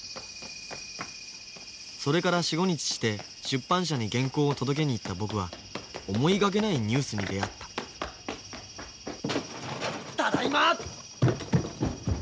それから４５日して出版社に原稿を届けに行った僕は思いがけないニュースに出会ったただいま！